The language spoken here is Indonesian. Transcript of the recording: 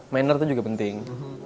maner itu juga penting